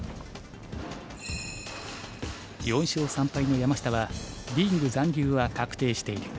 ４勝３敗の山下はリーグ残留は確定している。